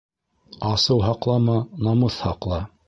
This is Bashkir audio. Асыу һаҡлама, намыҫ һаҡла.